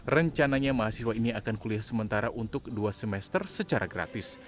rencananya mahasiswa ini akan kuliah sementara untuk dua semester secara gratis